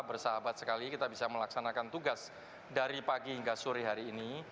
bersahabat sekali kita bisa melaksanakan tugas dari pagi hingga sore hari ini